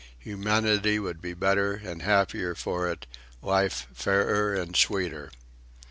Humanity would be better and happier for it, life fairer and sweeter.